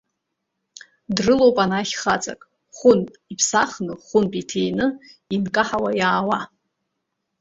Дрылоуп анахь хаҵак, хәынтә иԥсахны, хәынтә иҭины, инкаҳауа иаауа.